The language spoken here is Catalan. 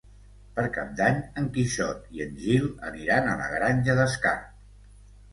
Per Cap d'Any en Quixot i en Gil aniran a la Granja d'Escarp.